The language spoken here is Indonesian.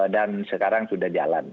dan sekarang sudah jalan